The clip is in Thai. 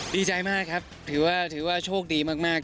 ดีใจมากครับถือว่าถือว่าโชคดีมาก